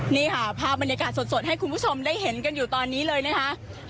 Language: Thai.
นี่ค่ะภาพบรรยากาศสดให้คุณผู้ชมได้เห็นกันอยู่ตอนนี้เลยนะคะ